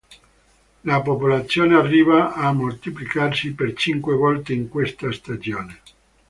La popolazione arriva a moltiplicarsi per cinque volte in questa stagione.